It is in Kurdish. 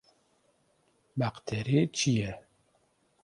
Bakterî çi ye?